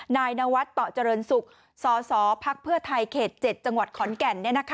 นายนวัดต่อเจริญศุกร์สสพักเพื่อไทยเขต๗จังหวัดขอนแก่น